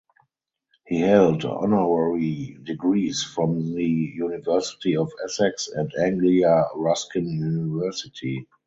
He held honorary degrees from the University of Essex and Anglia Ruskin University.